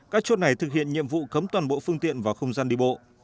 các chốt này thực hiện nhiệm vụ cấm toàn bộ phương tiện vào không gian đi bộ